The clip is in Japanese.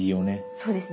そうですね。